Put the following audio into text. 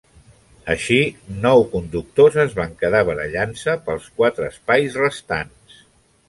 Així, nou conductors es van quedar barallant-se pels quatre espais restants.